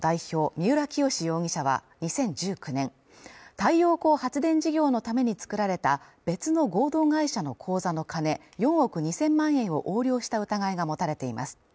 三浦清志容疑者は２０１９年太陽光発電事業のために作られた別の合同会社の口座の金４億２０００万円を横領した疑いが持たれています。